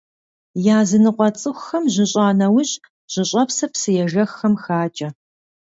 Языныкъуэ цӀыхухэм, жьыщӀа нэужь, жьыщӀэпсыр псыежэххэм хакӀэ.